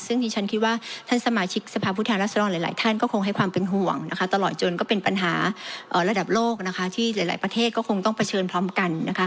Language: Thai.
ซึ่งดิฉันคิดว่าท่านสมาชิกสภาพผู้แทนรัศดรหลายท่านก็คงให้ความเป็นห่วงตลอดจนก็เป็นปัญหาระดับโลกที่หลายประเทศก็คงต้องเผชิญพร้อมกัน